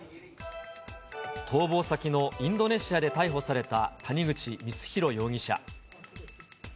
逃亡先のインドネシアで逮捕された谷口光弘容疑者。